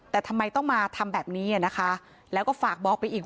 แต่ทำไมต้องมาทำแบบนี้นะคะแล้วก็ฝากบอกไปอีก